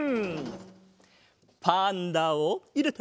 パンダをいれて。